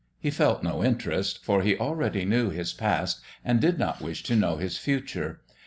He felt no interest, for he already knew his past and did not wish to know his future.